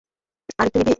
আর একটু নিবি?